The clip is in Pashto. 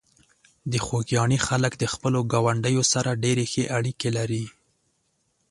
د خوږیاڼي خلک د خپلو ګاونډیو سره ډېرې ښې اړیکې لري.